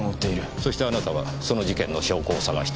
そしてあなたはその事件の証拠を探している。